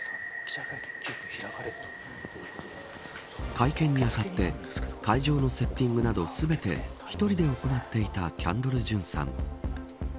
会見に当たって会場のセッティングなど全て一人で行っていたキャンドル・ジュンさん。